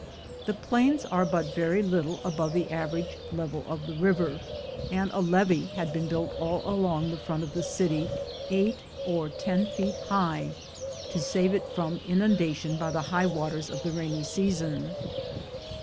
The plains are but very little above the average level of the river, and a levee had been built all along the front of the city eight or ten feet high, to save it from inundation by the high waters of the rainy season.